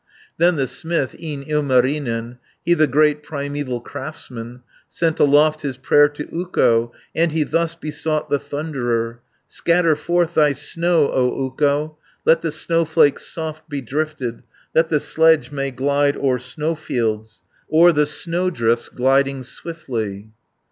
Then the smith, e'en Ilmarinen, He the great primeval craftsman, Sent aloft his prayer to Ukko, And he thus besought the Thunderer: 420 "Scatter forth thy snow, O Ukko, Let the snowflakes soft be drifted, That the sledge may glide o'er snowfields, O'er the snow drifts gliding swiftly."